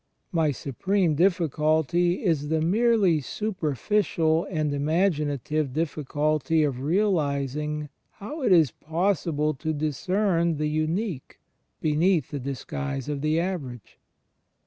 My supreme diffi culty is the merely superficial and imaginative difficulty of realizing how it is possible to discern the Unique beneath the disguise of the Average.